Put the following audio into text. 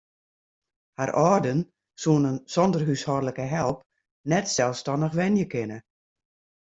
Har âlden soene sonder húshâldlike help net selsstannich wenje kinne.